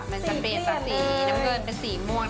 มันจะเปลี่ยนจากสีน้ำเงินเป็นสีม่วง